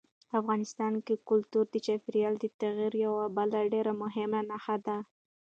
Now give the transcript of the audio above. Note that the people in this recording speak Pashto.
افغانستان کې کلتور د چاپېریال د تغیر یوه بله ډېره مهمه نښه ده.